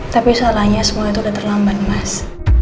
tapi soalnya sekolah itu udah terlambat mas